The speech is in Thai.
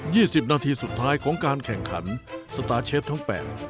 สิบนาทีสุดท้ายของการแข่งขันสตาร์เชฟทั้งแปด